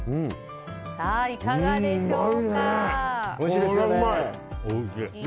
いかがでしょう。